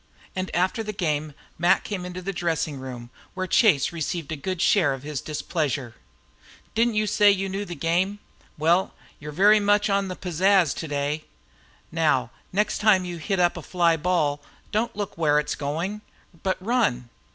And after the game Mac came into the dressing room, where Chase received a good share of his displeasure. "Didn't you say you knew the game? Well, you're very much on the pazaz today. Now the next time you hit up a fly ball, don't look to see where it's goin', but run!